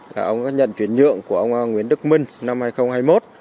là ông có nhận chuyển nhượng của ông nguyễn đức minh năm hai nghìn hai mươi một